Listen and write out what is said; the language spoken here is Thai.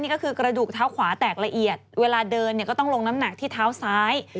ก็คือกระดูกเท้าขวาแตกละเอียดเวลาเดินก็ต้องลงน้ำหนักที่เท้าซ้าย